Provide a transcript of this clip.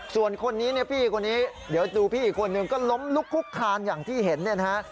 ส่วนคนนี้เนี่ยพี่คนนี้เดี๋ยวดูพี่อีกคนนึงก็ล้มลุกคุกคลานอย่างที่เห็นเนี่ยนะฮะ